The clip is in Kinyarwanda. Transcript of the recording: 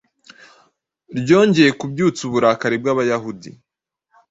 ryongeye kubyutsa uburakari bw’Abayahudi.